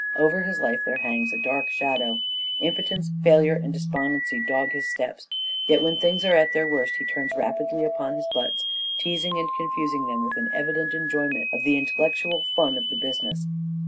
Over his life there hangs a dark shadow. Impotence, failure and despondency dog his steps. Yet, when things are at their worst he turns rapidly upon his butts, teasing and confusing them with an evident enjoyment of the intellectual fun of the business.